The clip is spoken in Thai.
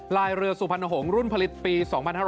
ลายเรือสุพรรณหงษ์รุ่นผลิตปี๒๕๕๙